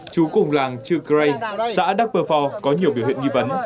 chú cùng làng trư cray xã đắc bờ phò có nhiều biểu hiện nghi vấn